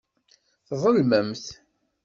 Tḍelmemt.